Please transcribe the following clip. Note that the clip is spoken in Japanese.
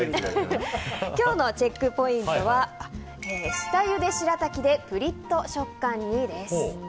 今日のチェックポイントは下ゆでしらたきでプリッと食感にです。